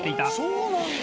そうなんだ！